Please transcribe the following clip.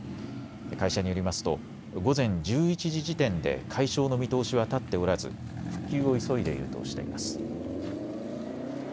会社によりますと午前１１時時点で解消の見通しは立っておらず復旧を急いでいるとしています。